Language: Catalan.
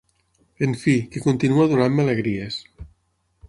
En fi, que continua donant-me alegries.